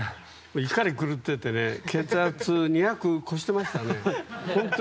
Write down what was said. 怒り狂ってて血圧２００超してましたね。